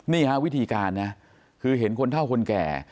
นี่ฮะวิธีการนะคือเห็นคนเท่าคนแก่